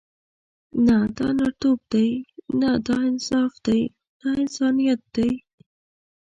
نه دا نرتوب دی، نه دا انصاف دی، نه انسانیت دی.